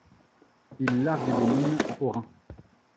Ils larguent des mines à orin.